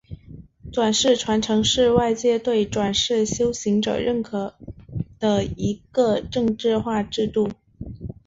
转世传承是外界对转世修行者认可的一个政治化制度。